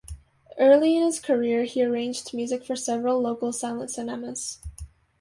Early in his career, he arranged music for several local silent cinemas.